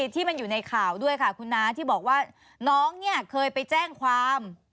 ที่มันอยู่ในข่าวด้วยค่ะคุณน้าที่บอกว่าน้องเนี่ยเคยไปแจ้งความ